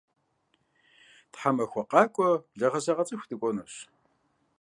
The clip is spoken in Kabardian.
Тхьэмахуэ къакӏуэ благъэзэгъэцӏыху дыкӏуэнущ.